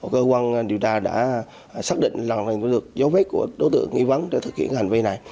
cơ quan điều tra đã xác định là lực lượng dấu vết của đối tượng nghi vấn để thực hiện hành vi này